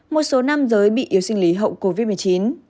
một số nam giới bị yếu sinh lý hậu covid một mươi chín